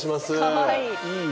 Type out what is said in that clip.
かわいい。